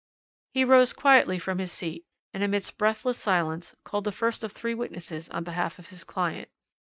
"He rose quietly from his seat, and, amidst breathless silence, called the first of three witnesses on behalf of his client.